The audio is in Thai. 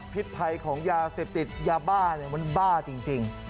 พิษภัยของยาเสพติดยาบ้ามันบ้าจริง